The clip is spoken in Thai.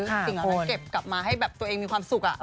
สิ่งที่เขาจะเก็บกลับมาให้ตัวเองมีความสุข